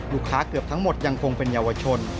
เกือบทั้งหมดยังคงเป็นเยาวชน